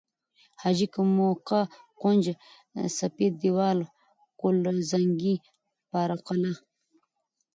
حاجي که، موکه، کونج، سپید دیوال، قل زنگي، پاره قلعه